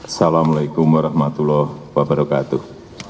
assalamu'alaikum warahmatullahi wabarakatuh